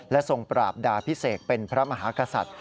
ทรงปราบดาพิเศษเป็นพระมหากษัตริย์